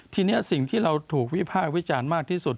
ทีนี้สิ่งที่เราถูกวิภาควิจารณ์มากที่สุด